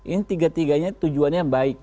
ini tiga tiganya tujuannya baik